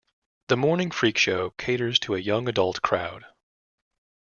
The Morning Freak Show caters to a young adult crowd.